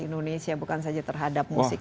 indonesia bukan saja terhadap musik